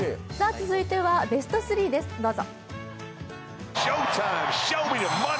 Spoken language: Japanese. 続いてはベスト３です、どうぞ。